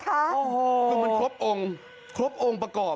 คือมันครบองค์ครบองค์ประกอบ